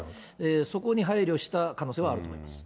そこに配慮した可能性はあると思います。